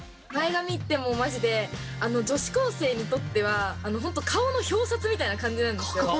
前髪ってもうマジで女子高生にとっては本当顔の表札みたいな感じなんですよ。